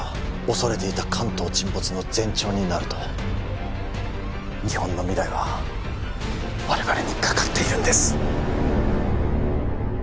恐れていた関東沈没の前兆になると日本の未来は我々にかかっているんです